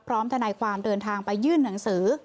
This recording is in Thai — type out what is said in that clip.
ทนายความเดินทางไปยื่นหนังสือ